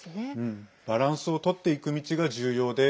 バランスをとっていく道が重要で